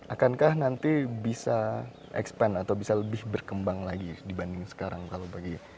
akankah nanti bisa expand atau bisa lebih berkembang lagi dibanding sekarang kalau bagi